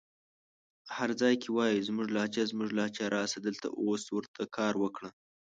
هر ځای کې وايې زموږ لهجه زموږ لهجه راسه دلته اوس ورته کار وکړه